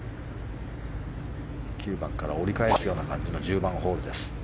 ９番から折り返すような感じの１０番ホール。